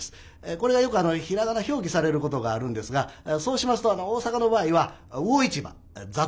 これがよく平仮名表記されることがあるんですがそうしますと大阪の場合は魚市場雑魚場ですね